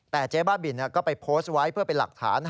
แต่เจ๊บ้าบินก็ไปโพสต์ไว้เพื่อเป็นหลักฐาน